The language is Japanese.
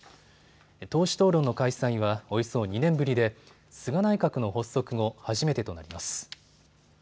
党首討論の開催はおよそ２年ぶりで菅内閣の発足後、初めてとなります。